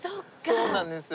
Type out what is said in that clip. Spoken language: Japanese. そうなんですよ。